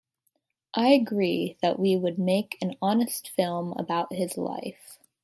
I agreed that we would make an honest film about his life.